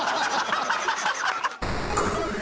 これ。